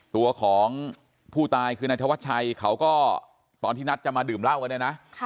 ตัวของผู้ตายคือนายธวัชชัยเขาก็ตอนที่นัดจะมาดื่มเหล้ากันเนี่ยนะ